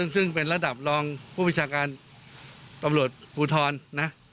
ซึ่งเป็นระดับรองผู้ประชาการตำรวจภูทรนะ